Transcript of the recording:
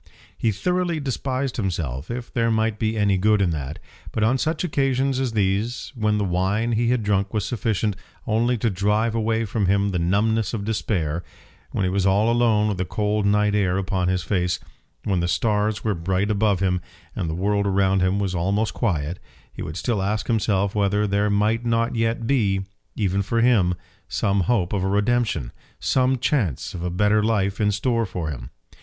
He thoroughly despised himself, if there might be any good in that! But on such occasions as these, when the wine he had drunk was sufficient only to drive away from him the numbness of despair, when he was all alone with the cold night air upon his face, when the stars were bright above him and the world around him was almost quiet, he would still ask himself whether there might not yet be, even for him, some hope of a redemption, some chance of a better life in store for him.